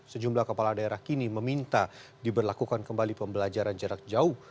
sejumlah kepala daerah kini meminta diberlakukan kembali pembelajaran jarak jauh